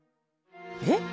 えっ？